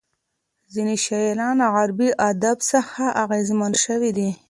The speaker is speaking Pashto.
ځینې شاعران له عربي ادب څخه اغېزمن شوي دي.